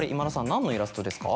何のイラストですか？